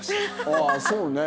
ああそうね。